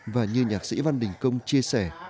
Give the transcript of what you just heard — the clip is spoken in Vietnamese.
và như nhạc sĩ văn đình công chia sẻ